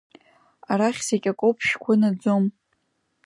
Арахь зегь акоуп шәгәы наӡом!